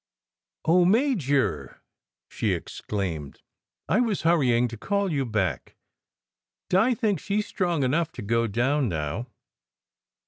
"Oh, Major!" she exclaimed. "I was hurrying to call you back. Di thinks she s strong enough to go down now."